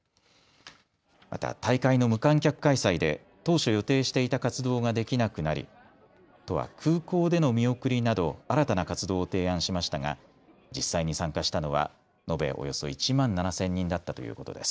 また大会の無観客開催で当初予定していた活動ができなくなり都は空港での見送りなど、新たな活動を提案しましたが実際に参加したのは延べおよそ１万７０００人だったということです。